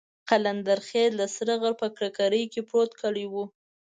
قلندرخېل د سره غره په ککرۍ کې پروت کلی وو.